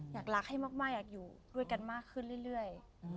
อยากรักให้มากอยากอยู่ด้วยกันมากขึ้นเรื่อย